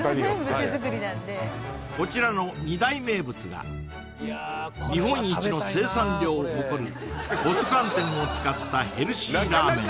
全部手作りなんでこちらの二大名物が日本一の生産量を誇る細寒天を使ったヘルシーラーメン